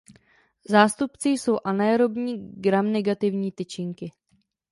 Zástupci jsou anaerobní gramnegativní tyčinky.